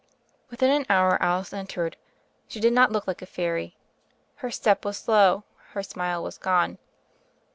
Within an hour Alice entered. She did not look like a fairy: her step was slow, her smile was gone.